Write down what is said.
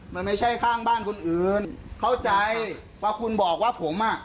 มันไม่ใช่ข้างบ้านคนอื่นเข้าใจว่าคุณบอกว่าผมอ่ะ